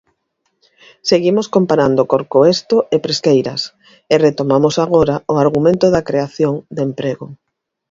Seguimos comparando Corcoesto e Presqueiras, e retomamos agora o argumento da creación de emprego.